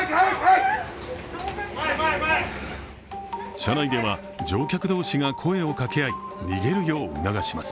車内では乗客同士が声を掛け合い、逃げるよう促します。